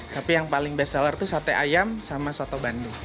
tapi yang paling best seller itu sate ayam sama soto bandung